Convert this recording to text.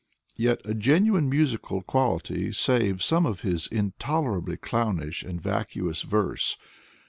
Yet a genuine musical quality saves some of his intolerably clownish and vacuous verse.